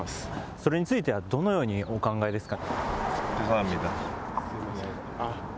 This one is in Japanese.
それについてはどのようにお考えですか。